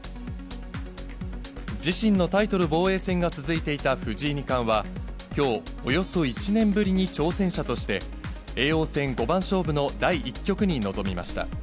自身のタイトル防衛戦が続いていた藤井二冠は、きょう、およそ１年ぶりに挑戦者として、叡王戦五番勝負の第１局に臨みました。